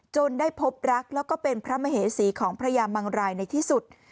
ได้พบรักแล้วก็เป็นพระมเหสีของพระยามังรายในที่สุด